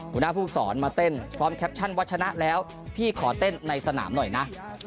หัวหน้าผู้สอนมาเต้นพร้อมแคปชั่นว่าชนะแล้วพี่ขอเต้นในสนามหน่อยนะ